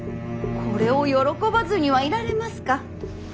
これを喜ばずにはいられますか。